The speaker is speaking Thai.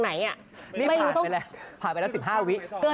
ไหนอ่ะไม่รู้ผ่านไปแล้วผ่านไปแล้วสิบห้าวิคต้นเกินละค่ะ